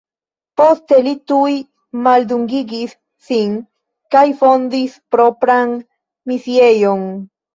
Poste li tuj maldungigis sin kaj fondis propran misiejon.